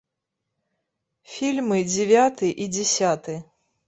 Фільмы дзявяты і дзясяты.